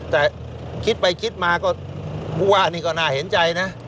แต่คิดไปคิดมาก็ผู้ว่านี่ก็น่าเห็นใจนะ